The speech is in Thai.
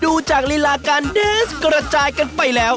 ดูจากลีลาการแดนส์กระจายกันไปแล้ว